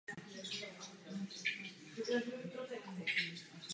Její působení je založené na neustálé a absolutní kontrole všeho lidského konání.